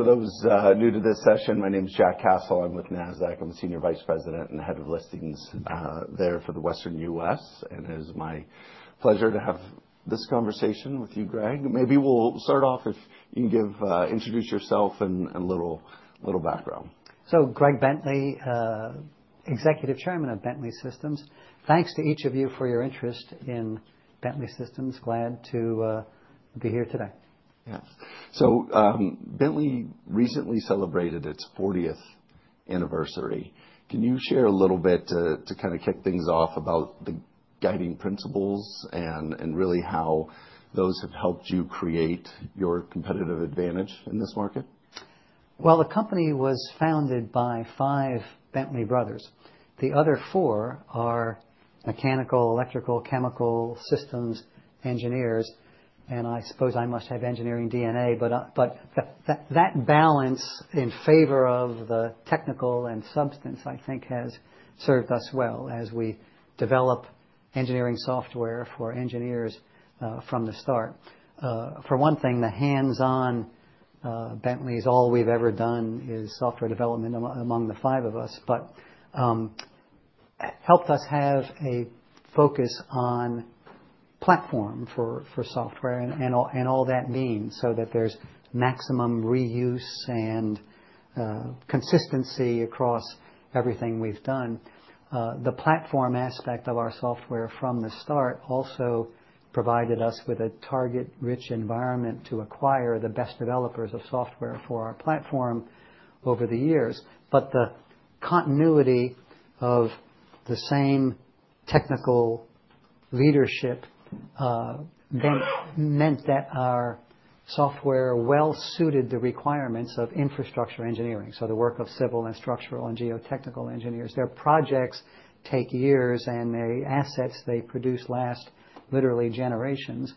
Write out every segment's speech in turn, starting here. For those new to this session, my name is Jack Castle. I'm with Nasdaq. I'm a Senior Vice President and Head of Listings there for the Western U.S., and it is my pleasure to have this conversation with you, Greg. Maybe we'll start off if you can introduce yourself and a little background. So, Greg Bentley, Executive Chairman of Bentley Systems. Thanks to each of you for your interest in Bentley Systems. Glad to be here today. Yes, so Bentley recently celebrated its 40th anniversary. Can you share a little bit to kind of kick things off about the guiding principles and really how those have helped you create your competitive advantage in this market? The company was founded by five Bentley brothers. The other four are mechanical, electrical, chemical systems engineers. And I suppose I must have engineering DNA, but that balance in favor of the technical and substance, I think, has served us well as we develop engineering software for engineers from the start. For one thing, the hands-on Bentley is all we've ever done is software development among the five of us, but helped us have a focus on platform for software and all that means so that there's maximum reuse and consistency across everything we've done. The platform aspect of our software from the start also provided us with a target-rich environment to acquire the best developers of software for our platform over the years. But the continuity of the same technical leadership meant that our software well suited the requirements of infrastructure engineering. The work of civil and structural and geotechnical engineers. Their projects take years and the assets they produce last literally generations.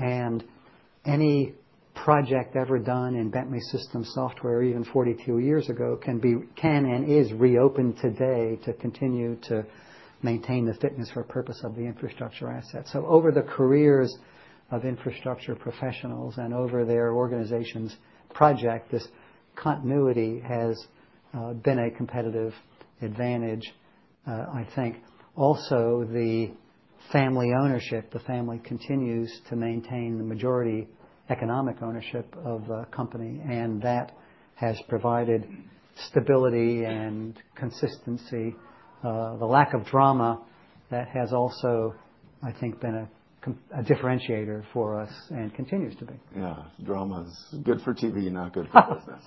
Any project ever done in Bentley Systems software even 42 years ago can and is reopened today to continue to maintain the fitness for purpose of the infrastructure assets. Over the careers of infrastructure professionals and over their organization's project, this continuity has been a competitive advantage, I think. Also, the family ownership, the family continues to maintain the majority economic ownership of the company. That has provided stability and consistency. The lack of drama that has also, I think, been a differentiator for us and continues to be. Yeah. Drama is good for TV, not good for business.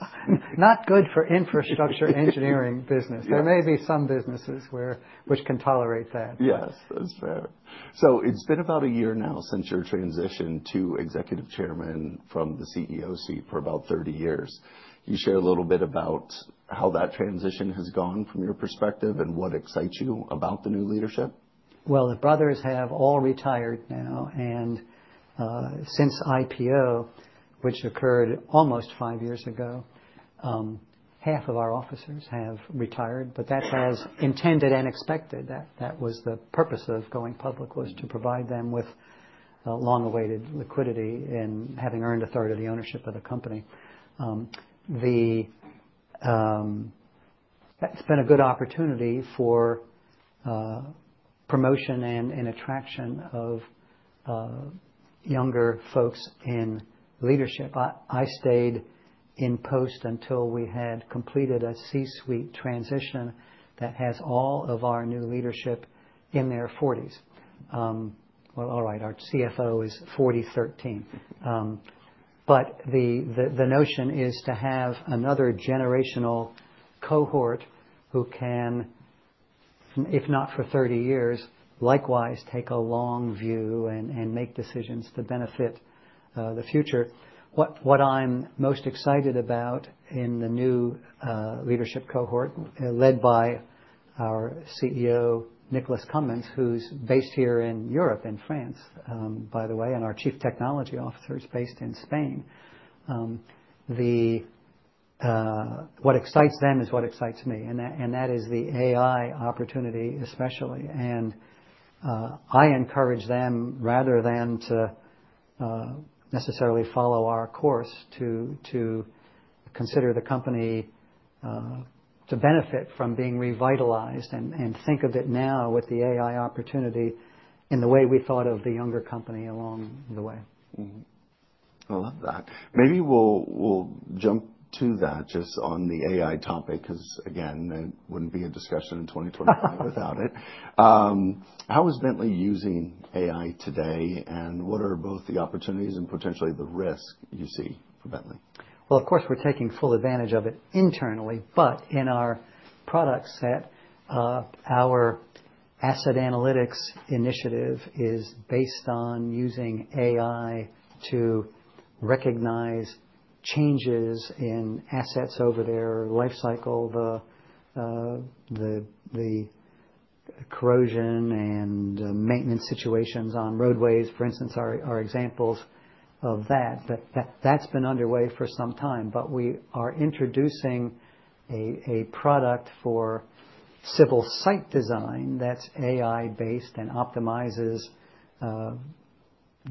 Not good for infrastructure engineering business. There may be some businesses which can tolerate that. Yes, that's fair. So, it's been about a year now since your transition to Executive Chairman from the CEO seat for about 30 years. Can you share a little bit about how that transition has gone from your perspective and what excites you about the new leadership? The brothers have all retired now. Since IPO, which occurred almost five years ago, half of our officers have retired. That was intended and expected. That was the purpose of going public was to provide them with long-awaited liquidity and having earned a third of the ownership of the company. It's been a good opportunity for promotion and attraction of younger folks in leadership. I stayed in post until we had completed a C-suite transition that has all of our new leadership in their 40s. All right, our CFO is 41. The notion is to have another generational cohort who can, if not for 30 years, likewise take a long view and make decisions to benefit the future. What I'm most excited about in the new leadership cohort led by our CEO, Nicholas Cumins, who's based here in Europe and France, by the way, and our Chief Technology Officer is based in Spain. What excites them is what excites me, and that is the AI opportunity especially. I encourage them rather than to necessarily follow our course to consider the company to benefit from being revitalized and think of it now with the AI opportunity in the way we thought of the younger company along the way. I love that. Maybe we'll jump to that just on the AI topic because, again, it wouldn't be a discussion in 2025 without it. How is Bentley using AI today and what are both the opportunities and potentially the risk you see for Bentley? Of course, we're taking full advantage of it internally. But in our product set, our asset analytics initiative is based on using AI to recognize changes in assets over their lifecycle, the corrosion and maintenance situations on roadways, for instance, are examples of that. That's been underway for some time. But we are introducing a product for civil site design that's AI-based and optimizes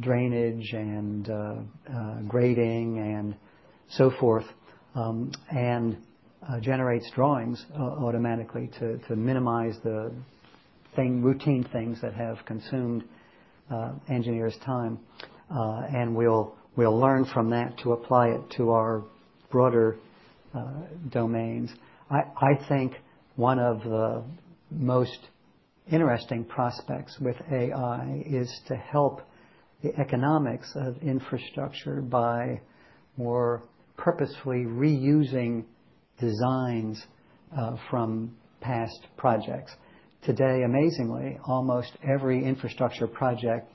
drainage and grading and so forth and generates drawings automatically to minimize the routine things that have consumed engineers' time. And we'll learn from that to apply it to our broader domains. I think one of the most interesting prospects with AI is to help the economics of infrastructure by more purposefully reusing designs from past projects. Today, amazingly, almost every infrastructure project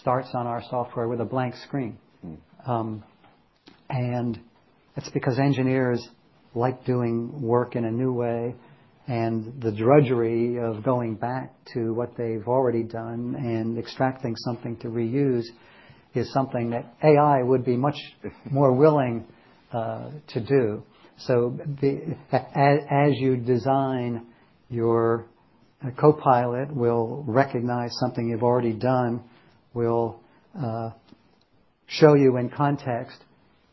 starts on our software with a blank screen. And that's because engineers like doing work in a new way. The drudgery of going back to what they've already done and extracting something to reuse is something that AI would be much more willing to do. As you design, your co-pilot will recognize something you've already done, will show you in context,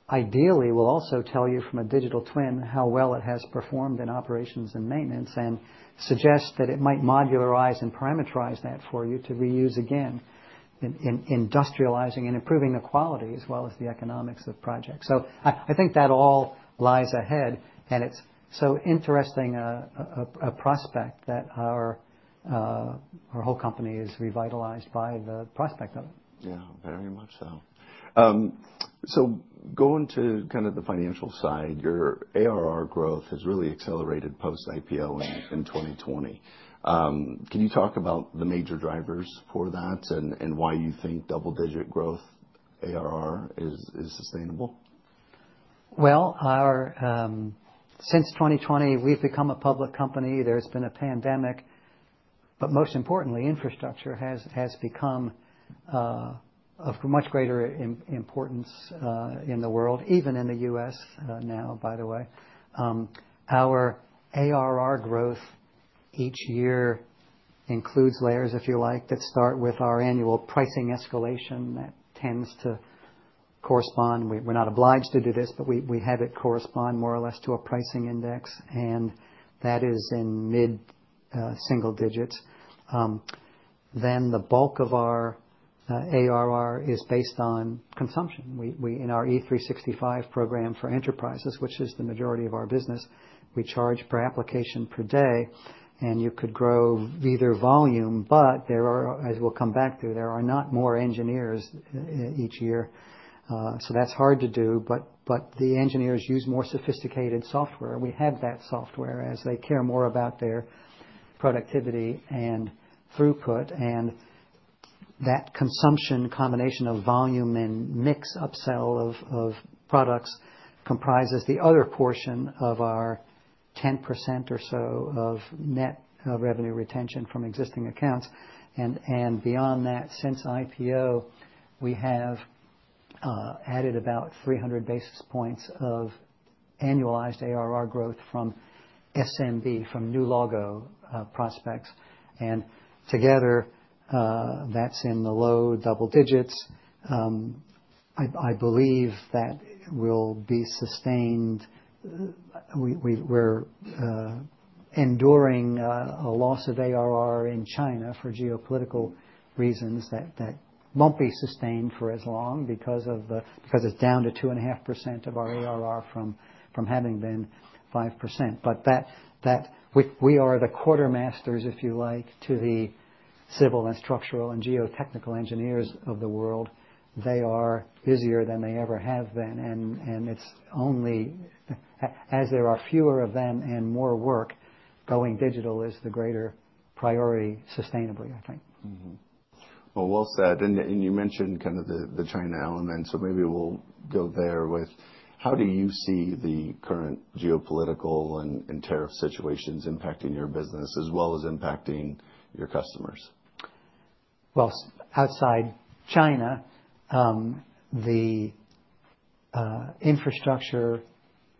ideally will also tell you from a digital twin how well it has performed in operations and maintenance and suggest that it might modularize and parameterize that for you to reuse again, industrializing and improving the quality as well as the economics of projects. I think that all lies ahead. It's so interesting, a prospect that our whole company is revitalized by the prospect of it. Yeah, very much so. So, going to kind of the financial side, your ARR growth has really accelerated post-IPO in 2020. Can you talk about the major drivers for that and why you think double-digit growth ARR is sustainable? Since 2020, we've become a public company. There's been a pandemic. But most importantly, infrastructure has become of much greater importance in the world, even in the U.S. now, by the way. Our ARR growth each year includes layers, if you like, that start with our annual pricing escalation that tends to correspond. We're not obliged to do this, but we have it correspond more or less to a pricing index. And that is in mid-single digits. Then the bulk of our ARR is based on consumption. In our E365 program for enterprises, which is the majority of our business, we charge per application per day. And you could grow either volume, but there are, as we'll come back to, there are not more engineers each year. So, that's hard to do. But the engineers use more sophisticated software. We have that software as they care more about their productivity and throughput, and that consumption combination of volume and mix upsell of products comprises the other portion of our 10% or so of net revenue retention from existing accounts, and beyond that, since IPO, we have added about 300 basis points of annualized ARR growth from SMB, from new logo prospects, and together, that's in the low double digits. I believe that will be sustained. We're enduring a loss of ARR in China for geopolitical reasons that won't be sustained for as long because it's down to 2.5% of our ARR from having been 5%, but we are the quartermasters, if you like, to the civil and structural and geotechnical engineers of the world. They are busier than they ever have been. And as there are fewer of them and more work, going digital is the greater priority sustainably, I think. Well said. You mentioned kind of the China element. Maybe we'll go there with how do you see the current geopolitical and tariff situations impacting your business as well as impacting your customers? Outside China, the infrastructure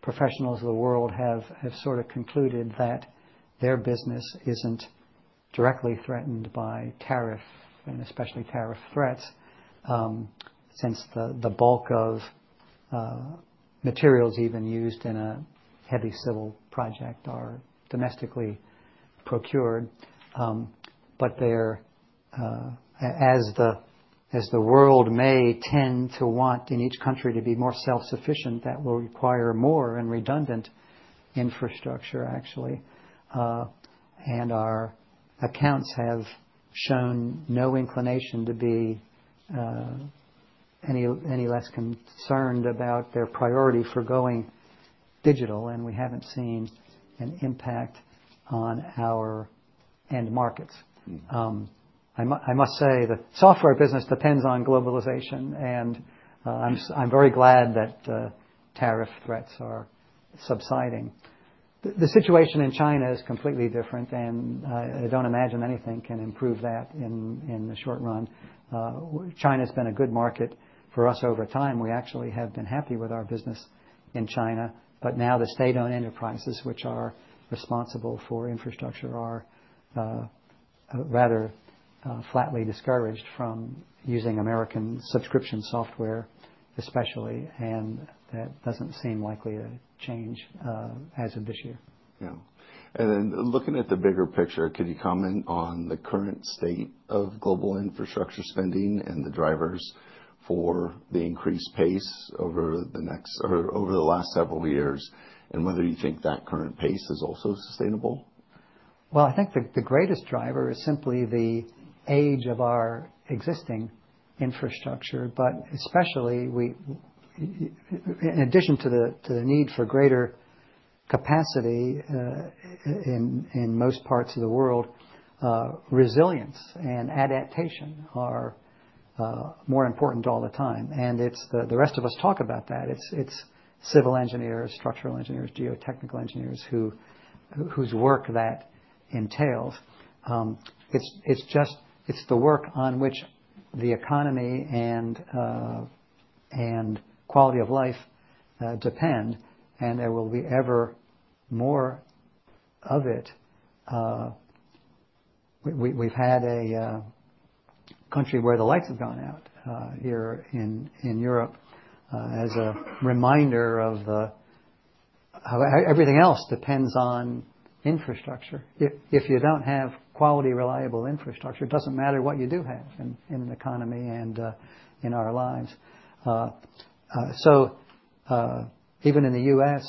professionals of the world have sort of concluded that their business isn't directly threatened by tariff and especially tariff threats since the bulk of materials even used in a heavy civil project are domestically procured. But as the world may tend to want in each country to be more self-sufficient, that will require more and redundant infrastructure, actually. And our accounts have shown no inclination to be any less concerned about their priority for going digital. And we haven't seen an impact on our end markets. I must say the software business depends on globalization. And I'm very glad that tariff threats are subsiding. The situation in China is completely different. And I don't imagine anything can improve that in the short run. China has been a good market for us over time. We actually have been happy with our business in China. But now the state-owned enterprises, which are responsible for infrastructure, are rather flatly discouraged from using American subscription software especially. And that doesn't seem likely to change as of this year. Yeah. And then looking at the bigger picture, could you comment on the current state of global infrastructure spending and the drivers for the increased pace over the last several years and whether you think that current pace is also sustainable? I think the greatest driver is simply the age of our existing infrastructure. Especially, in addition to the need for greater capacity in most parts of the world, resilience and adaptation are more important all the time. The rest of us talk about that. It's civil engineers, structural engineers, geotechnical engineers whose work that entails. It's the work on which the economy and quality of life depend. There will be ever more of it. We've had a country where the lights have gone out here in Europe as a reminder of how everything else depends on infrastructure. If you don't have quality, reliable infrastructure, it doesn't matter what you do have in an economy and in our lives. So, even in the U.S.,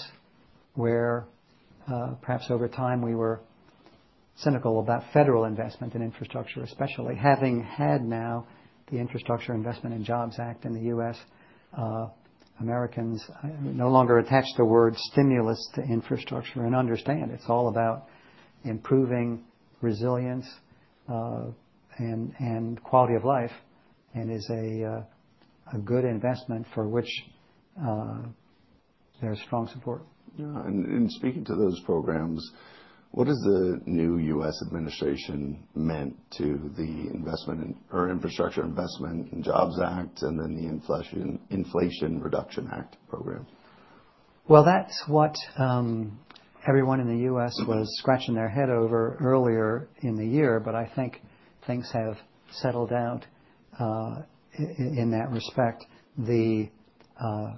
where perhaps over time we were cynical about federal investment in infrastructure especially, having had now the Infrastructure Investment and Jobs Act in the U.S., Americans no longer attach the word stimulus to infrastructure and understand it's all about improving resilience and quality of life and is a good investment for which there is strong support. Yeah. And speaking to those programs, what has the new U.S. administration meant to the Infrastructure Investment and Jobs Act and then the Inflation Reduction Act program? Well, that's what everyone in the U.S. was scratching their head over earlier in the year. But I think things have settled out in that respect. The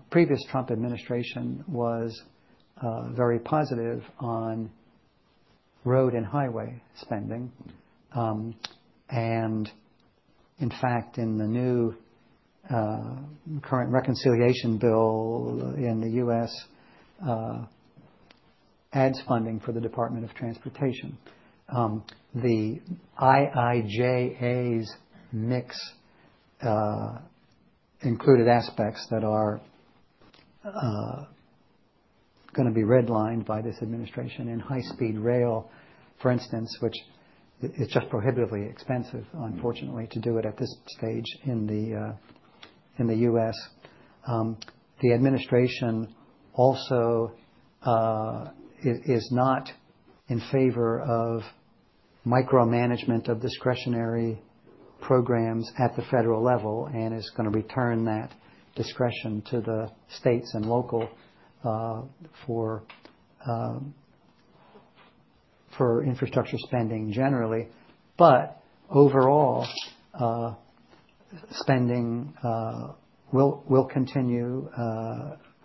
previous Trump administration was very positive on road and highway spending. And in fact, in the new current reconciliation bill in the U.S., adds funding for the Department of Transportation. The IIJA's mix included aspects that are going to be redlined by this administration in high-speed rail, for instance, which is just prohibitively expensive, unfortunately, to do it at this stage in the U.S. The administration also is not in favor of micromanagement of discretionary programs at the federal level and is going to return that discretion to the states and local for infrastructure spending generally. But overall, spending will continue.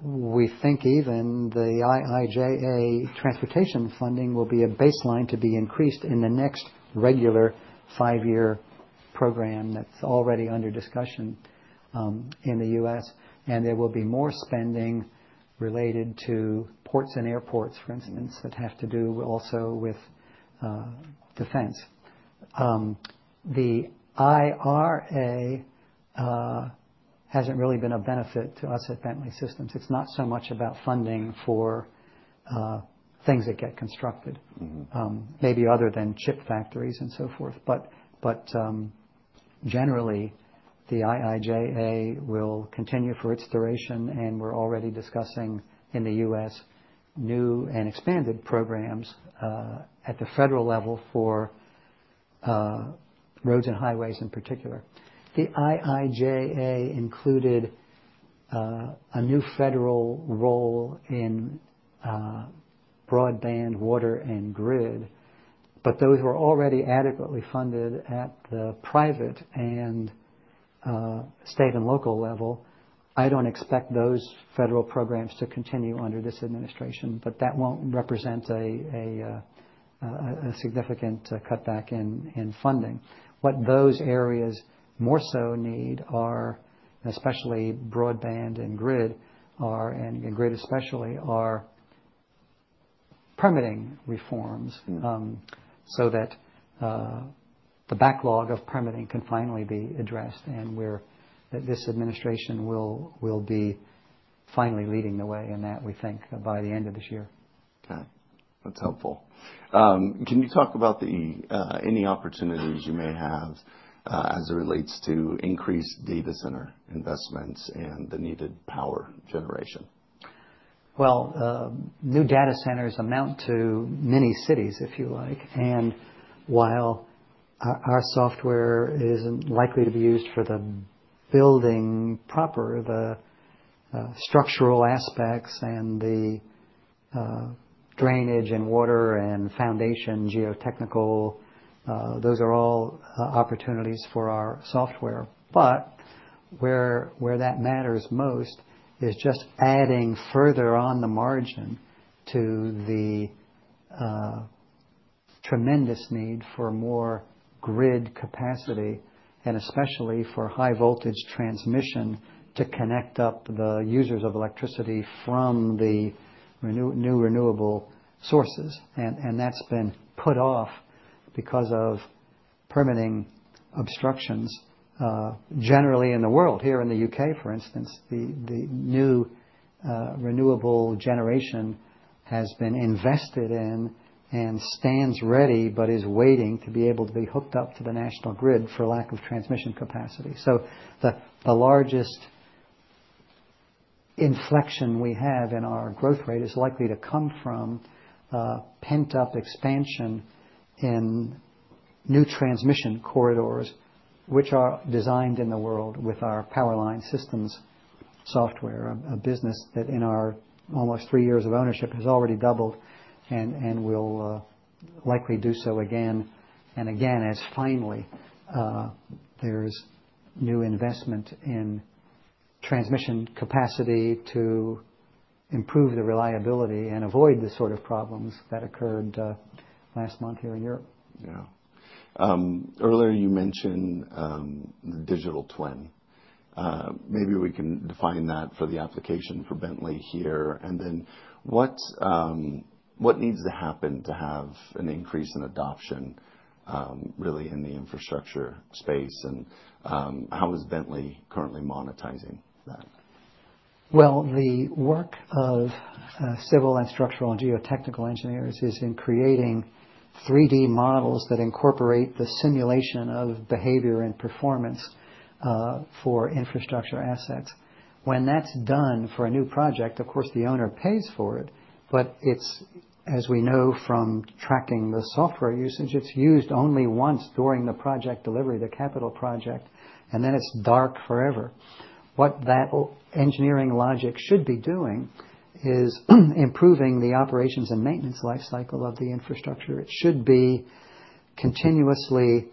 We think even the IIJA transportation funding will be a baseline to be increased in the next regular five-year program that's already under discussion in the U.S., and there will be more spending related to ports and airports, for instance, that have to do also with defense. The IRA hasn't really been a benefit to us at Bentley Systems. It's not so much about funding for things that get constructed, maybe other than chip factories and so forth, but generally, the IIJA will continue for its duration, and we're already discussing in the U.S. new and expanded programs at the federal level for roads and highways in particular. The IIJA included a new federal role in broadband, water, and grid, but those were already adequately funded at the private and state and local level. I don't expect those federal programs to continue under this administration. But that won't represent a significant cutback in funding. What those areas more so need, especially broadband and grid, and grid especially, are permitting reforms so that the backlog of permitting can finally be addressed, and this administration will be finally leading the way in that, we think, by the end of this year. Okay. That's helpful. Can you talk about any opportunities you may have as it relates to increased data center investments and the needed power generation? New data centers amount to mini cities, if you like, and while our software is likely to be used for the building proper, the structural aspects and the drainage and water and foundation geotechnical, those are all opportunities for our software, but where that matters most is just adding further on the margin to the tremendous need for more grid capacity and especially for high-voltage transmission to connect up the users of electricity from the new renewable sources, and that's been put off because of permitting obstructions generally in the world. Here in the U.K., for instance, the new renewable generation has been invested in and stands ready but is waiting to be able to be hooked up to the national grid for lack of transmission capacity. So, the largest inflection we have in our growth rate is likely to come from pent-up expansion in new transmission corridors, which are designed in the world with our Power Line Systems software, a business that in our almost three years of ownership has already doubled and will likely do so again and again as finally there's new investment in transmission capacity to improve the reliability and avoid the sort of problems that occurred last month here in Europe. Yeah. Earlier, you mentioned the digital twin. Maybe we can define that for the application for Bentley here. And then what needs to happen to have an increase in adoption really in the infrastructure space? And how is Bentley currently monetizing that? The work of civil and structural and geotechnical engineers is in creating 3D models that incorporate the simulation of behavior and performance for infrastructure assets. When that's done for a new project, of course, the owner pays for it. As we know from tracking the software usage, it's used only once during the project delivery, the capital project. Then it's dark forever. What that engineering logic should be doing is improving the operations and maintenance life cycle of the infrastructure. It should be continuously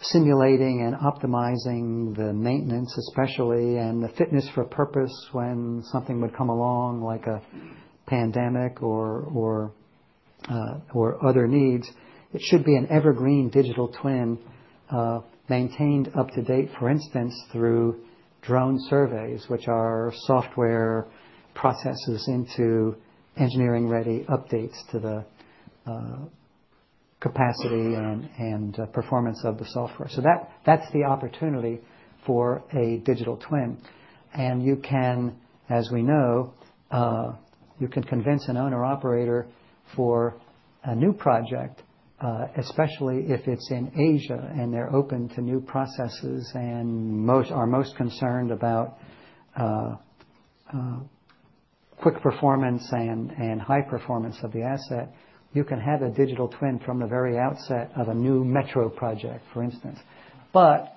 simulating and optimizing the maintenance especially and the fitness for purpose when something would come along like a pandemic or other needs. It should be an evergreen digital twin maintained up to date, for instance, through drone surveys, which are software processes into engineering-ready updates to the capacity and performance of the software. That's the opportunity for a digital twin. You can, as we know, you can convince an owner-operator for a new project, especially if it's in Asia and they're open to new processes and are most concerned about quick performance and high performance of the asset. You can have a digital twin from the very outset of a new metro project, for instance, but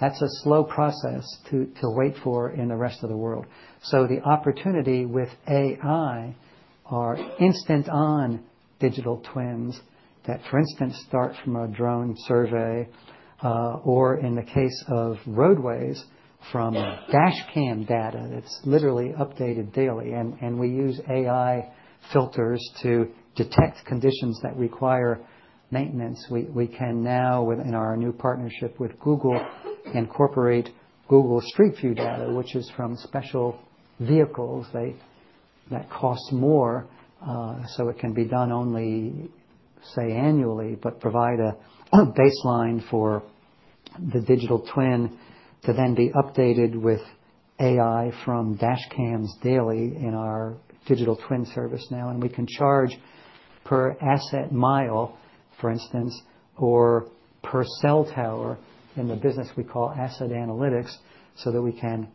that's a slow process to wait for in the rest of the world, so the opportunity with AI are instant-on digital twins that, for instance, start from a drone survey or in the case of roadways from dashcam data that's literally updated daily, and we use AI filters to detect conditions that require maintenance. We can now, in our new partnership with Google, incorporate Google Street View data, which is from special vehicles that cost more. So, it can be done only, say, annually, but provide a baseline for the digital twin to then be updated with AI from dashcams daily in our digital twin service now. And we can charge per asset mile, for instance, or per cell tower in the business we call asset analytics so that we can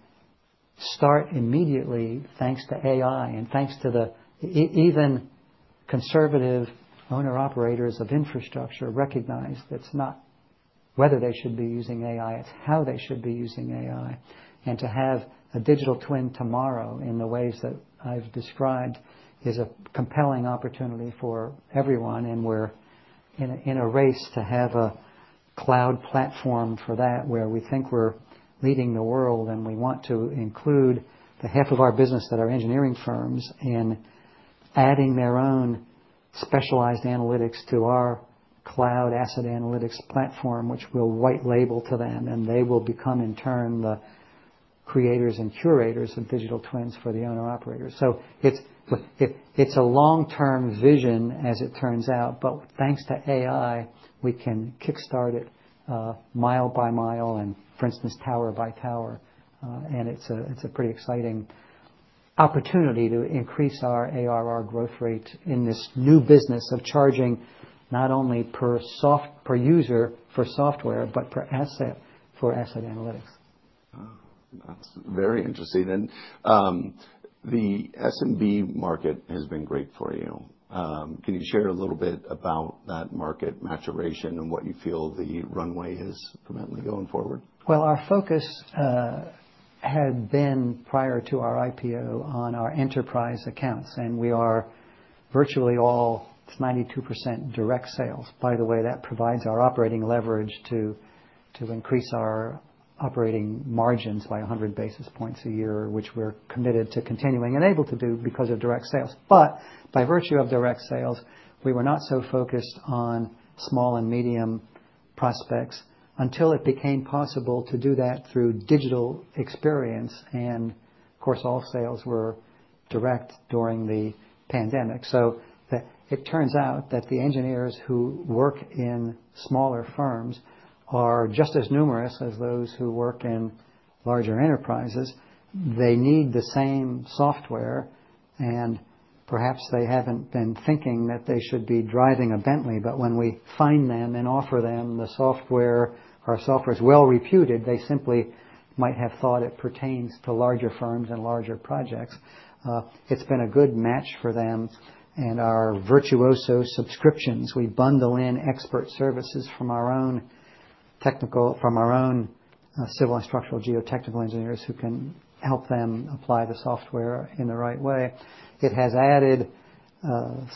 start immediately, thanks to AI and thanks to the even conservative owner-operators of infrastructure recognize that's not whether they should be using AI, it's how they should be using AI. And to have a digital twin tomorrow in the ways that I've described is a compelling opportunity for everyone. And we're in a race to have a cloud platform for that where we think we're leading the world. And we want to include the half of our business that are engineering firms in adding their own specialized analytics to our cloud asset analytics platform, which we'll white label to them. And they will become, in turn, the creators and curators of digital twins for the owner-operators. So, it's a long-term vision as it turns out. But thanks to AI, we can kickstart it mile by mile and, for instance, tower by tower. And it's a pretty exciting opportunity to increase our ARR growth rate in this new business of charging not only per user for software but per asset for asset analytics. Wow. That's very interesting. And the SMB market has been great for you. Can you share a little bit about that market maturation and what you feel the runway is for Bentley going forward? Our focus had been prior to our IPO on our enterprise accounts. We are virtually all. It's 92% direct sales. By the way, that provides our operating leverage to increase our operating margins by 100 basis points a year, which we're committed to continuing and able to do because of direct sales. By virtue of direct sales, we were not so focused on small and medium prospects until it became possible to do that through digital experience. Of course, all sales were direct during the pandemic. It turns out that the engineers who work in smaller firms are just as numerous as those who work in larger enterprises. They need the same software. Perhaps they haven't been thinking that they should be driving a Bentley. When we find them and offer them the software, our software is well reputed. They simply might have thought it pertains to larger firms and larger projects. It's been a good match for them, and our Virtuoso subscriptions, we bundle in expert services from our own technical, from our own civil and structural geotechnical engineers who can help them apply the software in the right way. It has added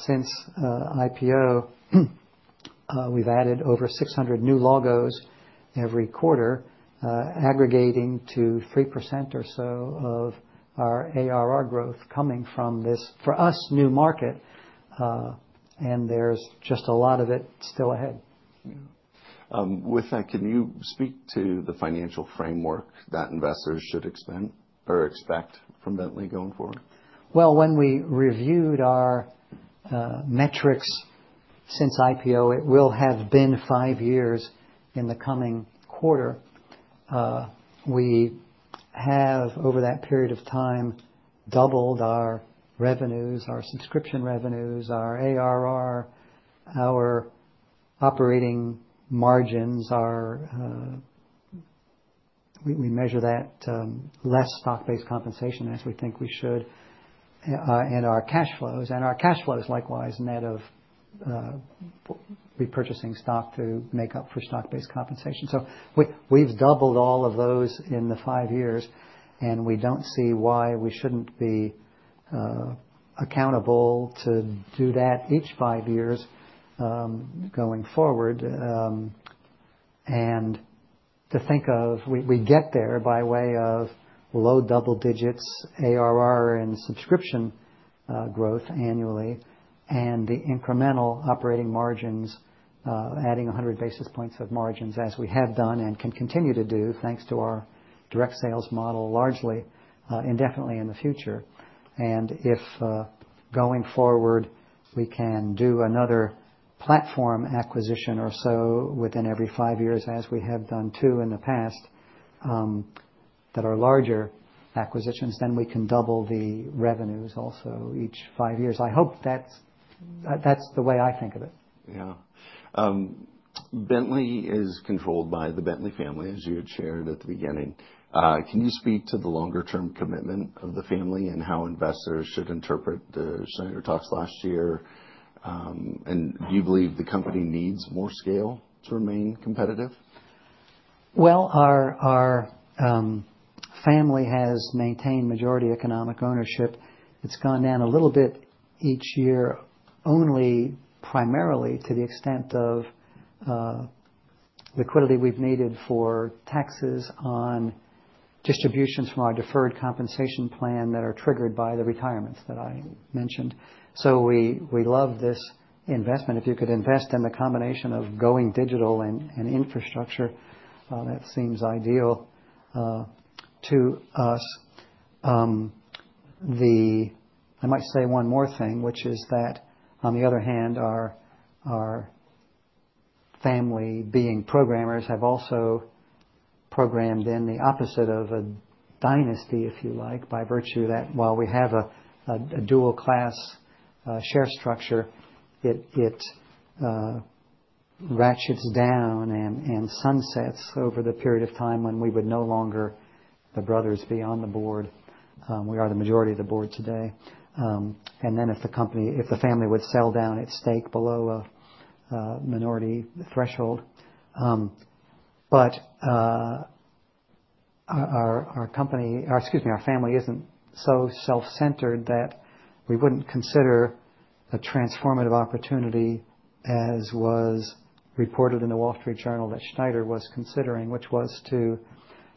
since IPO; we've added over 600 new logos every quarter, aggregating to 3% or so of our ARR growth coming from this, for us, new market, and there's just a lot of it still ahead. With that, can you speak to the financial framework that investors should expect from Bentley going forward? When we reviewed our metrics since IPO, it will have been five years in the coming quarter. We have, over that period of time, doubled our revenues, our subscription revenues, our ARR, our operating margins. We measure that less stock-based compensation as we think we should and our cash flows. Our cash flows likewise net of repurchasing stock to make up for stock-based compensation, so we've doubled all of those in the five years, and we don't see why we shouldn't be accountable to do that each five years going forward, and to think of, we get there by way of low double digits ARR and subscription growth annually and the incremental operating margins, adding 100 basis points of margins as we have done and can continue to do thanks to our direct sales model largely indefinitely in the future. If going forward, we can do another platform acquisition or so within every five years as we have done two in the past that are larger acquisitions, then we can double the revenues also each five years. I hope that's the way I think of it. Yeah. Bentley is controlled by the Bentley family, as you had shared at the beginning. Can you speak to the longer-term commitment of the family and how investors should interpret the Schneider talks last year? And do you believe the company needs more scale to remain competitive? Our family has maintained majority economic ownership. It's gone down a little bit each year only primarily to the extent of liquidity we've needed for taxes on distributions from our deferred compensation plan that are triggered by the retirements that I mentioned. We love this investment. If you could invest in the combination of going digital and infrastructure, that seems ideal to us. I might say one more thing, which is that on the other hand, our family being programmers have also programmed in the opposite of a dynasty, if you like, by virtue that while we have a dual-class share structure, it ratchets down and sunsets over the period of time when we would no longer, the brothers, be on the board. We are the majority of the board today, then if the company, if the family would sell down its stake below a minority threshold. But our company, excuse me, our family isn't so self-centered that we wouldn't consider a transformative opportunity as was reported in The Wall Street Journal that Schneider was considering, which was to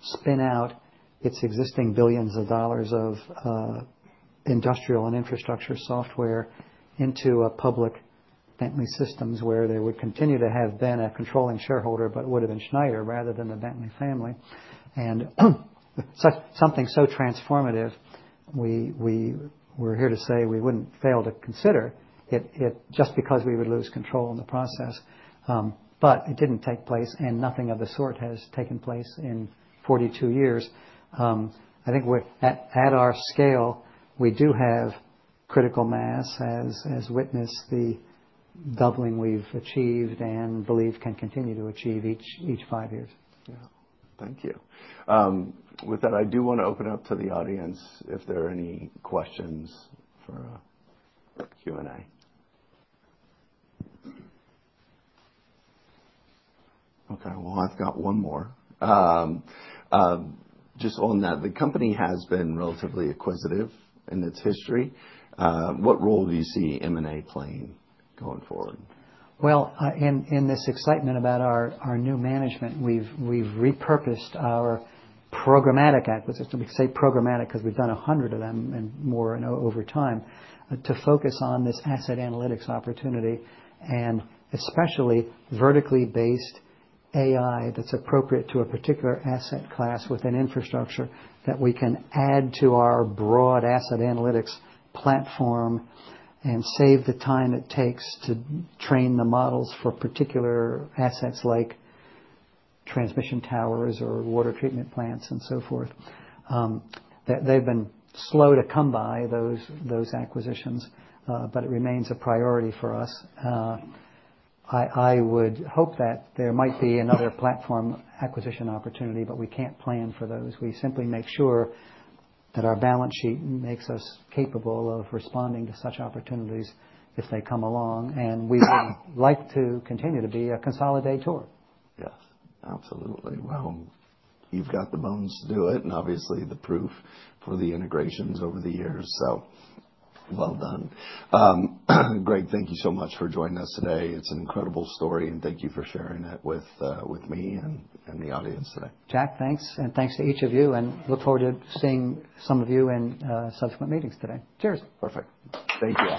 spin out its existing billions of dollars of industrial and infrastructure software into a public Bentley Systems where they would continue to have been a controlling shareholder but would have been Schneider rather than the Bentley family. Something so transformative, we were here to say we wouldn't fail to consider it just because we would lose control in the process. But it didn't take place. Nothing of the sort has taken place in 42 years. I think at our scale, we do have critical mass as witness the doubling we've achieved and believe can continue to achieve each five years. Yeah. Thank you. With that, I do want to open up to the audience if there are any questions for Q&A. Okay. Well, I've got one more. Just on that, the company has been relatively acquisitive in its history. What role do you see M&A playing going forward? In this excitement about our new management, we've repurposed our programmatic acquisition. We say programmatic because we've done 100 of them and more over time to focus on this asset analytics opportunity and especially vertically based AI that's appropriate to a particular asset class with an infrastructure that we can add to our broad asset analytics platform and save the time it takes to train the models for particular assets like transmission towers or water treatment plants and so forth. They've been slow to come by, but it remains a priority for us. I would hope that there might be another platform acquisition opportunity, but we can't plan for those. We simply make sure that our balance sheet makes us capable of responding to such opportunities if they come along, and we would like to continue to be a consolidator. Yes. Absolutely. Well, you've got the bones to do it and obviously the proof for the integrations over the years. So, well done. Greg, thank you so much for joining us today. It's an incredible story. And thank you for sharing it with me and the audience today. Jack, thanks. And thanks to each of you. And look forward to seeing some of you in subsequent meetings today. Cheers. Perfect. Thank you.